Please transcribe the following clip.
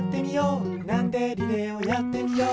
リレーをやってみよう！」